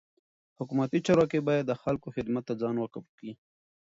حکومتي چارواکي باید د خلکو خدمت ته ځان وقف کي.